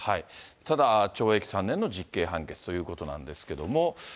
ただ、懲役３年の実刑判決ということなんですけども。